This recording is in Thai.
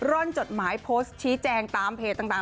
ร่อนจดหมายโพสต์ชี้แจงตามเพจต่าง